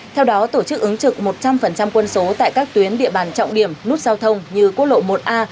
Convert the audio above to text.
theo đó tổ chức ứng trực một trăm linh quân số tại các tuyến địa bàn trọng điểm nút giao thông như quốc lộ một a